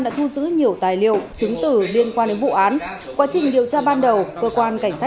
đã thu giữ nhiều tài liệu chứng tử liên quan đến vụ án quá trình điều tra ban đầu cơ quan cảnh sát